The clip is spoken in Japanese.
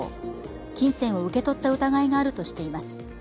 金銭を受け取った疑いがあるとしています。